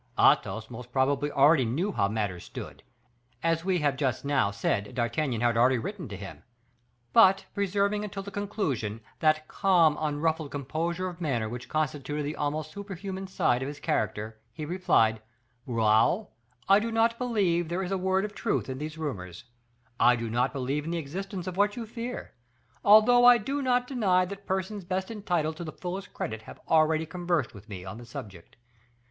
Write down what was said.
Athos most probably already knew how matters stood, as we have just now said D'Artagnan had already written to him; but, preserving until the conclusion that calm, unruffled composure of manner which constituted the almost superhuman side of his character, he replied, "Raoul, I do not believe there is a word of truth in these rumors; I do not believe in the existence of what you fear, although I do not deny that persons best entitled to the fullest credit have already conversed with me on the subject.